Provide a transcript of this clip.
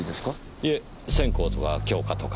いえ線香とか供花とか。